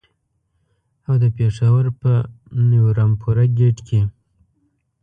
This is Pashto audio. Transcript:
او د پېښور په نیو رمپوره ګېټ کې.